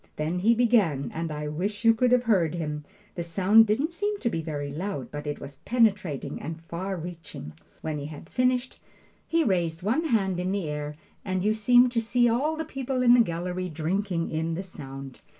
Then he began, and I wish you could have heard him! The sound didn't seem to be very loud, but it was penetrating and far reaching. When he had finished, he raised one hand in the air, and you seemed to see all the people in the gallery drinking in the sound.